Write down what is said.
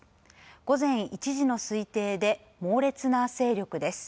午前１時の推定で猛烈な勢力です。